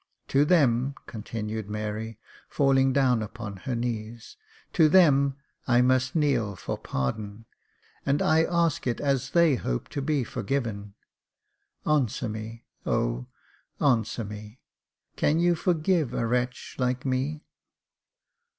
To them," continued Mary, falling down upon her knees, to them I must kneel for pardon, and I ask it as they hope to be forgiven. Answer me — oh ! answer me ! can you forgive a wretch like me